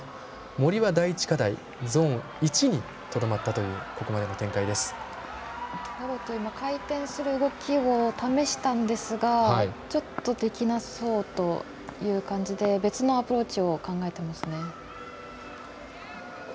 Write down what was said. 森は第１課題ゾーン１に、とどまったというラバトゥ、回転する動きを試したんですがちょっとできなそうという感じで別のアプローチを考えていますね。